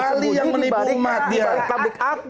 ali yang menipu umat